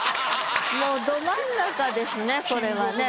もうど真ん中ですねこれはね。